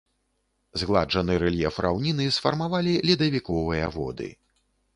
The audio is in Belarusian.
Згладжаны рэльеф раўніны сфармавалі ледавіковыя воды.